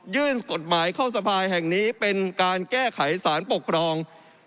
กฎหมายเข้าสภาแห่งนี้เป็นการแก้ไขสารปกครอง